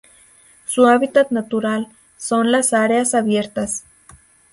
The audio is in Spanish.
Su hábitat natural son las áreas abiertas.